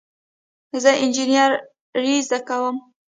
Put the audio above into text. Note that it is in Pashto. زه انجینری زده کوم